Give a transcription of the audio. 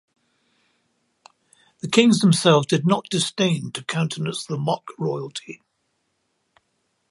The Kings themselves did not disdain to countenance the mock royalty.